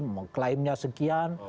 mulai nya sekian